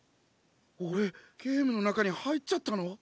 おれゲームの中に入っちゃったの？